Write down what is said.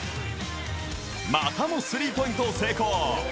またもスリーポイントを成功。